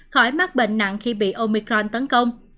khỏi mắc bệnh nặng khi bị omicron tấn công